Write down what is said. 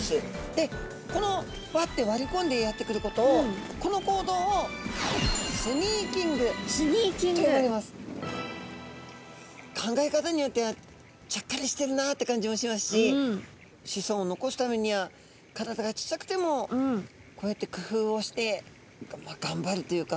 でこのバッて割りこんでやって来ることをこの行動を考え方によってはちゃっかりしてるなって感じもしますし子孫を残すためには体が小さくてもこうやって工夫をして頑張るというか。